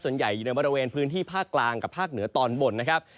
ส่วนใหญ่อยู่ในบริเวณพื้นที่ภาคกลางกับภาคเหนือตอนบนนะครับ